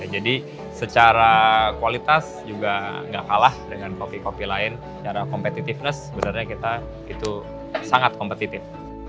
jadi secara kualitas juga nggak kalah dengan kopi kopi lain secara competitiveness sebenarnya kita itu sangat kompetitif